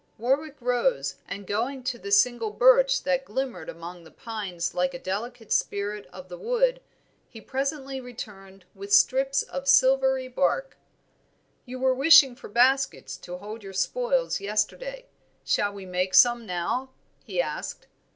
Warwick rose, and going to the single birch that glimmered among the pines like a delicate spirit of the wood, he presently returned with strips of silvery bark. "You were wishing for baskets to hold your spoils, yesterday; shall we make some now?" he asked.